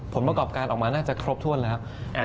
ผลประกอบการออกมาน่าจะครบถ้วนแล้ว